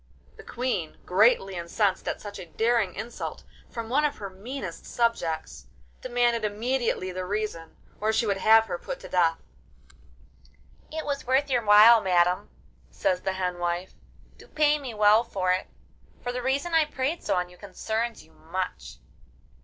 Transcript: The Queen, greatly incensed at such a daring insult from one of her meanest subjects, demanded immediately the reason, or she would have her put to death. 'It was worth your while, madam,' says the hen wife, 'to pay me well for it, for the reason I prayed so on you concerns you much.